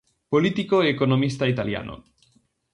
Político e economista italiano.